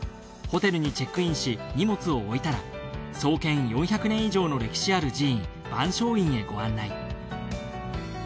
ホテルにチェックインし荷物を置いたら創建４００年以上の歴史ある寺院万松院へご案内。